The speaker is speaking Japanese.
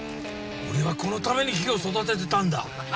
俺はこのために火を育ててたんだ。